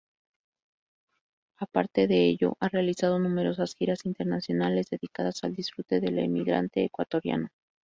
Aparte de ello, ha realizado numerosas giras internacionales, dedicadas al disfrute del emigrante ecuatoriano.